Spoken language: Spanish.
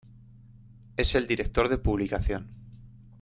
Es el director de publicación.